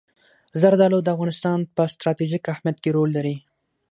زردالو د افغانستان په ستراتیژیک اهمیت کې رول لري.